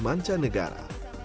pembeli manca negara